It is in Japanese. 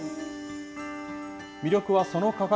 魅力はその価格。